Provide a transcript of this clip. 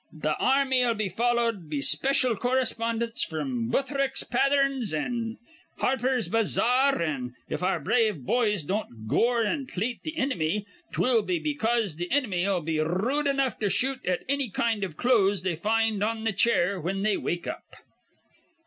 Th' ar rmy'll be followed be specyal correspondints fr'm Butthrick's Pattherns an' Harper's Bazar; an', if our brave boys don't gore an' pleat th' inimy, 'twill be because th' inimy'll be r rude enough to shoot in anny kind iv clothes they find on th' chair whin they wake up."